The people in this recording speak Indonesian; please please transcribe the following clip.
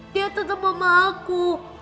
dia tetep mama aku